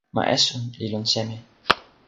ma esun li lon seme?